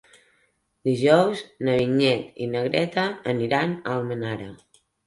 Dijous na Vinyet i na Greta aniran a Almenara.